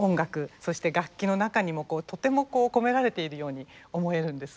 そして楽器の中にもとてもこう込められているように思えるんです。